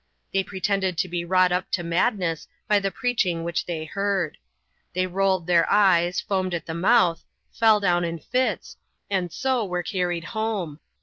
They pretended to be wrought up to madness by the preaching which they heard. They rolled their eyes ; foamed at the mouth ; fell down in fits ; and so were carried home.